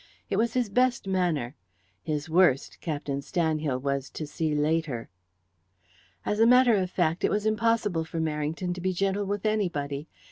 It was his best manner; his worst, Captain Stanhill was to see later. As a matter of fact, it was impossible for Merrington to be gentle with anybody.